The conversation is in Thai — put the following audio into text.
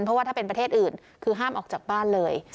เพราะว่าถ้าเป็นประเทศอื่นคือห้ามออกจากบ้านเลย